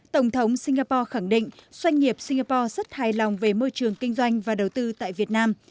tổng thống singapore khẳng định doanh nghiệp singapore rất hài lòng về môi trường kinh doanh và đầu tư tại việt nam